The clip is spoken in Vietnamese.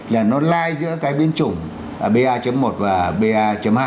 là nó lai giữa cái biến chủng ba một và ba hai